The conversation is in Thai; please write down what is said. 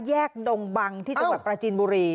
แยกดงบังที่สวรรค์ประจินบุรี